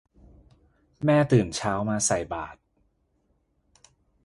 แม่ตื่นเช้ามาใส่บาตร